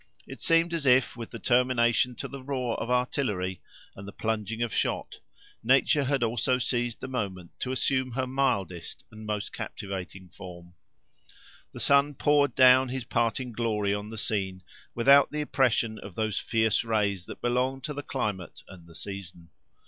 It seemed as if, with the termination of the roar of artillery and the plunging of shot, nature had also seized the moment to assume her mildest and most captivating form. The sun poured down his parting glory on the scene, without the oppression of those fierce rays that belong to the climate and the season.